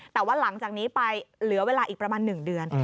แต่ว่าหลังจากนี้ไปเหลือเวลาอีกประมาณ๑เดือน